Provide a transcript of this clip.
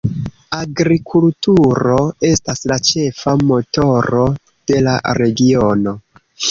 Agrikulturo estas la ĉefa motoro de la regiono.